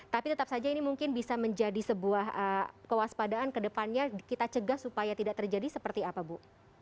tapi tetap saja ini mungkin bisa menjadi sebuah kewaspadaan kedepannya kita cegah supaya tidak terjadi seperti apa bu